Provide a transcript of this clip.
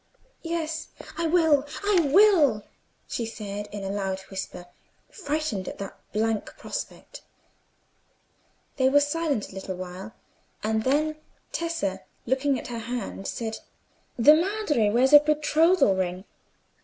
"Yes, I will, I will," she said, in a loud whisper, frightened at that blank prospect. They were silent a little while; and then Tessa, looking at her hand, said— "The Madre wears a betrothal ring.